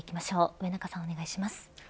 上中さん、お願いします。